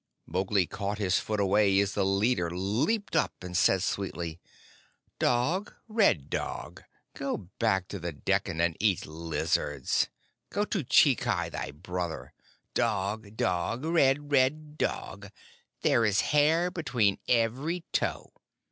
Mowgli caught his foot away as the leader leaped up, and said sweetly: "Dog, red dog! Go back to the Dekkan and eat lizards. Go to Chikai thy brother dog, dog red, red, dog! There is hair between every toe!"